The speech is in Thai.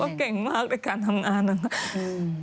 เขาเก่งมากในการทำงานนะครับ